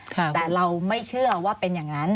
แต่เราไม่เชื่อว่าเป็นอย่างนั้น